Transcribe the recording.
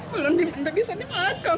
belum bisa dimakan